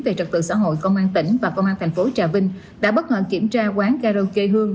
về trật tự xã hội công an tỉnh và công an thành phố trà vinh đã bất ngờ kiểm tra quán karaoke hương